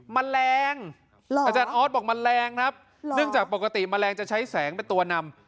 มะแรงหรออาจารย์ออสบอกมะแรงครับหรอเนื่องจากปกติมะแรงจะใช้แสงเป็นตัวนำ